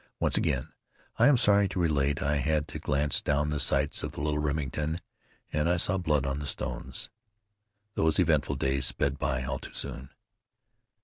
Once again, I am sorry to relate, I had to glance down the sights of the little Remington, and I saw blood on the stones. Those eventful days sped by all too soon.